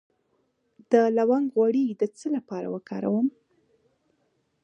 د لونګ غوړي د څه لپاره وکاروم؟